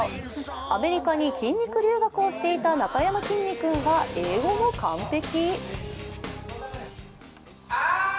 アメリカに筋肉留学をしていたなかやまきんに君は英語も完璧。